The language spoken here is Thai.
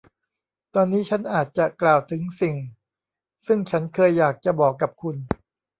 ตอนนี้ชั้นอาจจะกล่าวถึงสิ่งซึ่งฉันเคยอยากจะบอกกับคุณ